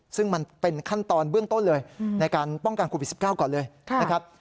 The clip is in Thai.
ซึ่งมันเป็นขั้นตอนเบื้องต้นเลยในการป้องกันโควิด๑๙ก่อนเลยนะครับ